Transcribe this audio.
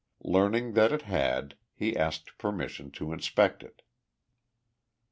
Learning that it had, he asked permission to inspect it.